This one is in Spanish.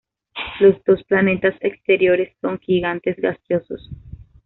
Los dos planetas exteriores son gigantes gaseosos.